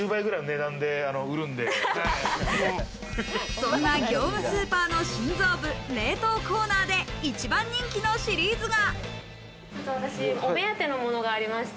そんな業務スーパーの心臓部、冷凍コーナーで一番人気のシリーズが。